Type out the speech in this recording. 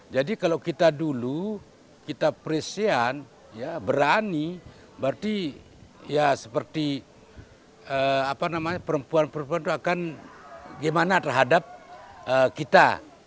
jadi kalau kita dulu kita presian berani berarti seperti perempuan perempuan itu akan gimana terhadap kita